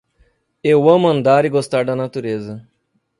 Eu amo andar e gostar da natureza.